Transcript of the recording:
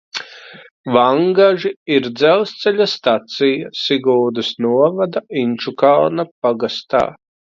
Vangaži ir dzelzceļa stacija Siguldas novada Inčukalna pagastā.